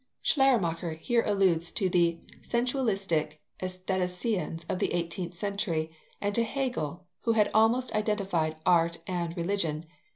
Schleiermacher here alludes to the sensualistic aestheticians of the eighteenth century, and to Hegel, who had almost identified art and religion.